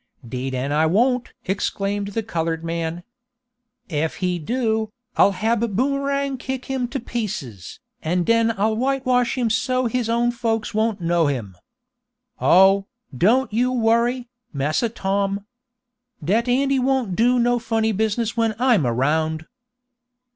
"'Deed an' I won't!" exclaimed the colored man. "Ef he do, I'll hab Boomerang kick him t' pieces, an' den I'll whitewash him so his own folks won't know him! Oh, don't you worry, Massa Tom. Dat Andy won't do no funny business when I'm around!"